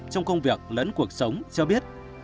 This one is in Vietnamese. trong công việc lẫn cuộc sống cho biết